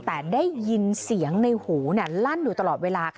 แต่ได้ยินเสียงในหูลั่นอยู่ตลอดเวลา